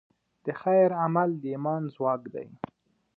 د خیر عمل د ایمان ځواک دی.